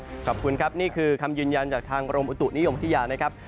ดินตรมคงไม่ถือได้ขนาดนั้นแล้วครับ